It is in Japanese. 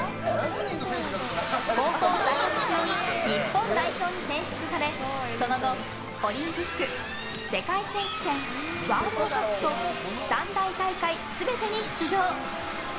高校在学中に日本代表に選出されその後、オリンピック世界選手権、ワールドカップと三大大会全てに出場。